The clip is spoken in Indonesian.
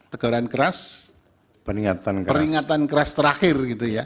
teguran keras peringatan keras terakhir